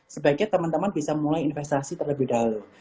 sebaiknya teman teman bisa mulai investasi terlebih dahulu